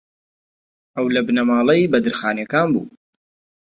ئەو لە بنەماڵەی بەدرخانییەکان بوو